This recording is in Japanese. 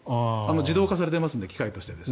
自動化されてますので機械として。